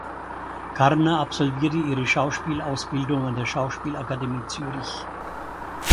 Karner absolvierte ihre Schauspielausbildung an der Schauspielakademie Zürich.